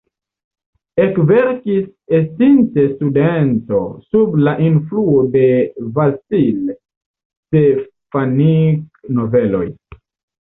Ekverkis estinte studento sub la influo de Vasil Stefanik-noveloj.